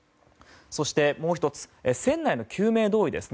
そして、もう１つ船内の救命胴衣です。